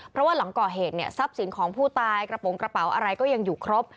เพราะว่าหลังก่อเหตุเนี่ยทรัพย์สินของผู้ตายกระโปรงกระเป๋าอะไรก็ยังอยู่ครบ